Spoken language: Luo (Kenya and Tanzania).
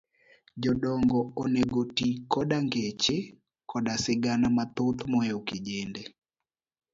jodongo onego oti koda ngeche koda sigana mathoth mohewo kijende.